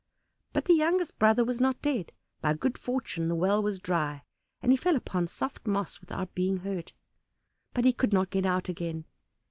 But the youngest brother was not dead. By good fortune the well was dry, and he fell upon soft moss without being hurt, but he could not get out again.